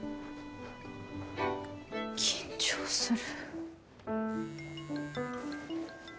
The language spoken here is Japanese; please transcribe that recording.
緊張する。